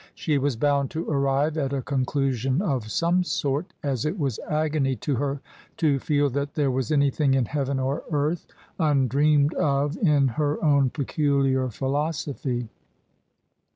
She was bound to arrive at a conclusion of some sort, as it was agony to her to feel that there was anything in heaven or earth undreamed of in her own peculiar philosophy.